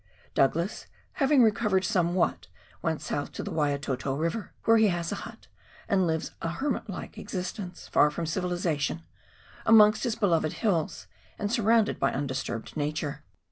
Douglas, having recovered somewhat, went south to the Waiatoto River, where he has a hut, and lives a hermit like existence, far from civilisation, amongst his beloved hills and surrounded by undisturbed nature.